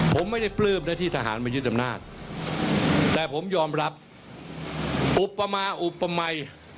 ผมไม่ได้ปลื้มนะที่ทหารมายึดอำนาจแต่ผมยอมรับอุปมาอุปมัย